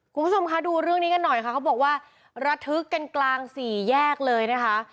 คุณผู้ชมคะดูเรื่องนี้กันหน่อยค่ะเขาบอกว่าระทึกกันกลางสี่แยกเลยนะคะ